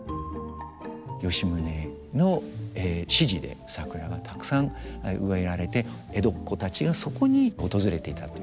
吉宗の指示で桜がたくさん植えられて江戸っ子たちがそこに訪れていたということが。